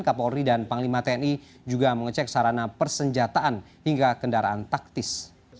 kapolri dan panglima tni juga mengecek sarana persenjataan hingga kendaraan taktis